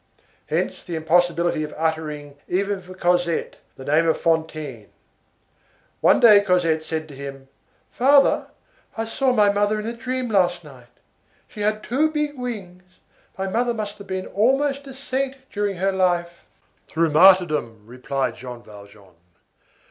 Hence the impossibility of uttering, even for Cosette, that name of Fantine. One day Cosette said to him:— "Father, I saw my mother in a dream last night. She had two big wings. My mother must have been almost a saint during her life." "Through martyrdom," replied Jean Valjean.